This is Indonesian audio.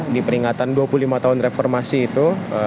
diperingatan dua puluh lima tahun reformasi itu